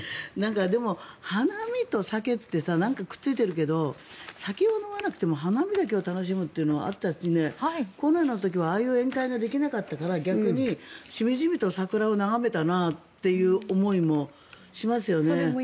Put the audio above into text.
でも、花見と酒ってくっついてるけど酒を飲まなくても花見だけを楽しむっていうのはあったし、コロナの時はああいう宴会ができなかったから逆に、しみじみと桜を眺めたなという思いもしますよね。